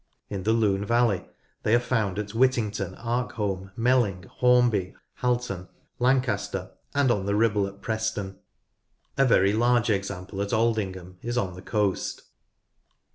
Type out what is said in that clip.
In the Lime valley they are found at The Lancaster Penny Whittington, Arkholme, Melling, Hornby, Halton, and Lancaster, and on the Ribble at Preston. A very large example at Aldingham is on the coast.